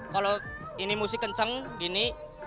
kalau ini musik kenceng gini